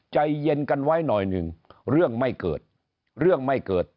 ใจเย็นกันไว้หน่อยหนึ่งเรื่องไม่เกิดเรื่องไม่เกิด